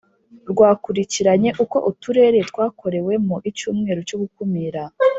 rwakurikiranye uko Uturere twakorewemo icyumweru cyo gukumira